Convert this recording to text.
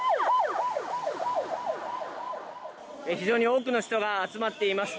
非常に多くの人が集まっています。